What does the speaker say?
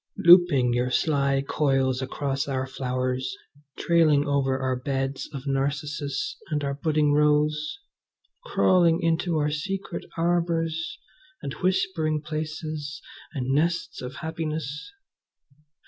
looping your sly coils across our flowers, trailing over our beds of narcissus and our budding rose, crawling into our secret arbours and whispering places and nests of happiness!